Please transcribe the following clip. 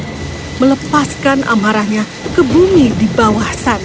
dan dia melepaskan amarahnya ke bumi di bawah sana